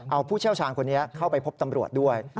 เอาผู้เชี่ยวชาญคนนี้เข้าไปพบตำรวจด้วย